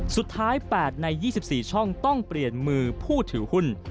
สุดท้าย๘ใน๒๔ช่องต้องเปลี่ยนมือผู้ถือหุ้น